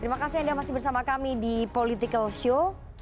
terima kasih anda masih bersama kami di political show